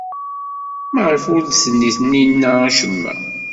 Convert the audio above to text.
Maɣef ur d-tenni Taninna acemma?